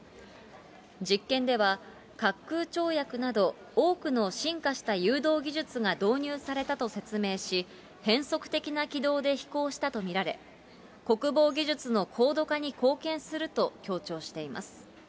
実験では、滑空跳躍など多くの進化した誘導技術が導入されたと説明し、変則的な軌道で飛行したと見られ、国防技術の高度化に貢献すると強調しています。